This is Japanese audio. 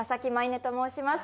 音と申します